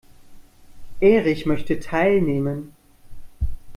Erich möchte teilnehmen.